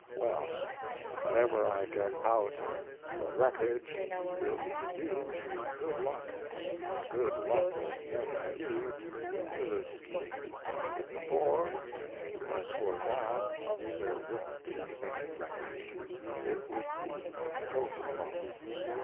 Well, whatever I get out of the wreckage will be due to good luck the good luck of getting you into the scheme for, but for that there wouldn't be any wreckage; it would be total loss.